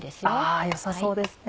あ良さそうですね。